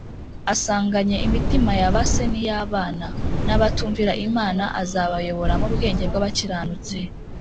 , asanganye imitima ya ba se n’iy’abana , n’abatumvira Imana azabayobora mu bwenge bw’abakiranutsi